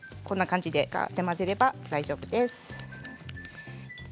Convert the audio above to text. こんな感じでがーっと混ぜれば大丈夫です。